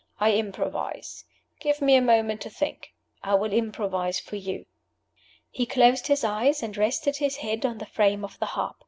I improvise. Give me a moment to think. I will improvise for You." He closed his eyes and rested his head on the frame of the harp.